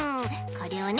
これをね